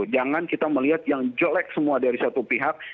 jangan kita melihat yang jelek semua dari satu pihak